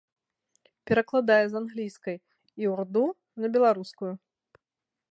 Перакладае з англійскай і ўрду на беларускую.